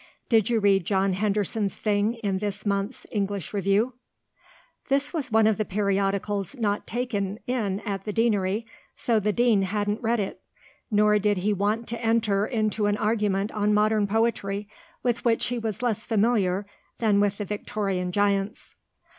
Did you read John Henderson's thing in this month's English Review?" This was one of the periodicals not taken in at the Deanery, so the Dean hadn't read it. Nor did he want to enter into an argument on modern poetry, with which he was less familiar than with the Victorian giants.